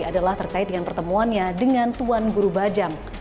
adalah terkait dengan pertemuannya dengan tuan guru bajang